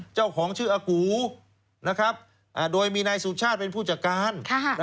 เจ้าของชื่ออากูโดยมีนายสุชาติเป็นผู้จัดการ